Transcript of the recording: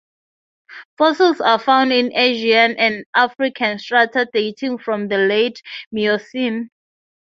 Fossils are found in Asian and African strata dating from the late Miocene.